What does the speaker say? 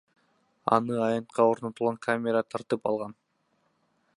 Аны аянтка орнотулган камера тартып алган.